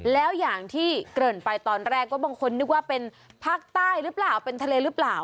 แล้วอย่างที่เกริ่นไปตอนแรกก็บางคนนึกว่าเป็นภาคใต้หรือเปล่าเป็นทะเลหรือเปล่า